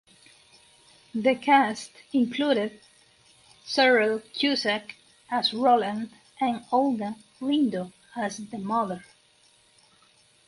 The cast included Cyril Cusack as Roland and Olga Lindo as The Mother.